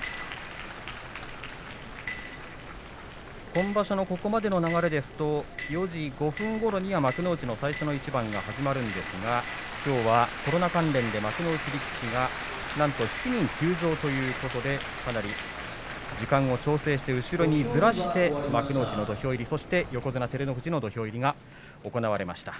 今場所のここまでの流れですと４時５分ごろには幕内の最初の一番が始まるんですがきょうはコロナ関連で幕内力士がなんと７人休場ということでかなり時間を調整して後ろにずらして横綱土俵入りが行われました。